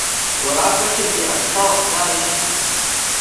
Уара хыхьынтәи Анцәа уаҳзааишьҭит…